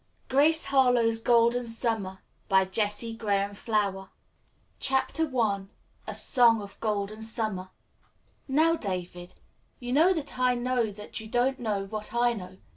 Grace Harlowe's Golden Summer CHAPTER I A SONG OF GOLDEN SUMMER "Now, David, you know that I know that you don't know what I know.